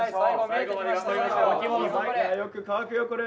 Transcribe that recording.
よく乾くよこれ。